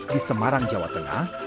di semarang jawa tengah